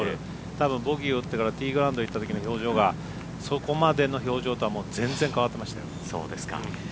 ボギーを打ってからティーグラウンド行った時の表情が、そこまでの表情とはもう全然変わってましたよ。